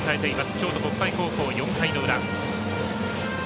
京都国際高校、４回の裏。